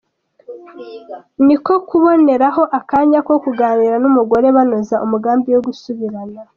Niko kuboneraho akanya ko kuganira n’umugore, banoza umugambi wo gusubirana.